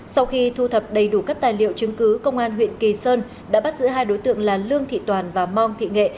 sau khi thu thập đầy đủ các tài liệu chứng cứ công an huyện kỳ sơn đã bắt giữ hai đối tượng là lương thị toàn và mong thị nghệ